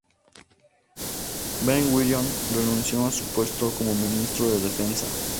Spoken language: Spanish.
Ben-Gurion renunció a su puesto como Ministro de Defensa.